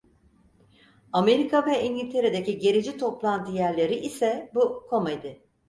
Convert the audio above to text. Amerika ve İngiltere'deki gerici toplantı yerleri ise, bu komedi!